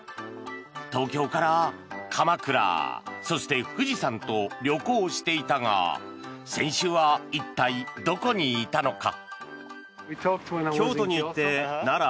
東京から鎌倉、そして富士山と旅行していたが先週は一体、どこにいたのか。